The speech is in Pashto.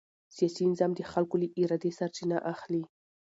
سیاسي نظام د خلکو له ارادې سرچینه اخلي